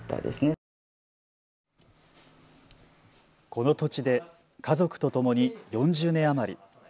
この土地で家族とともに４０年余り。